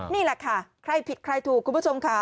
นี่แหละค่ะใครผิดใครถูกคุณผู้ชมค่ะ